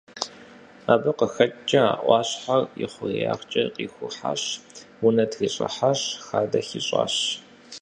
Абы къыхэкӏкӏэ, а ӏуащхьэр и хъуреягъкӏэ къихухьащ, унэ трищӏыхьащ, хадэ хищӏащ.